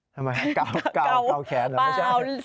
ทำไมเก่าแขนหรือไม่ใช่